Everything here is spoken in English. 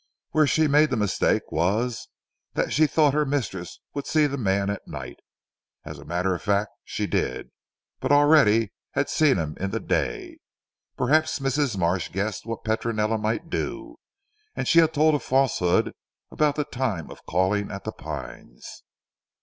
Where she made the mistake was, that she thought her mistress would see the man at night. As a matter of fact she did, but already had seen him in the day. Perhaps Mrs. Marsh guessed what Petronella might do, and she had told a falsehood about the time of calling at "The Pines."